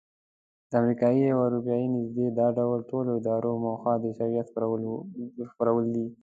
د امریکایي او اروپایي نږدې دا ډول ټولو ادارو موخه د عیسویت خپرول دي.